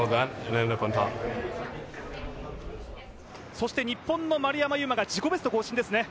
そして日本の丸山優真が自己ベスト更新ですね。